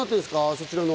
そちらの。